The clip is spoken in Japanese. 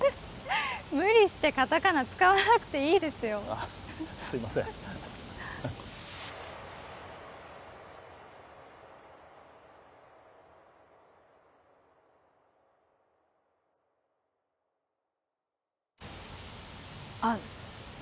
無理してカタカナ使わなくていいですよあっすいませんあっ